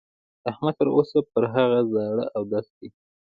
احمد تر اوسه پر هغه زاړه اودس دی.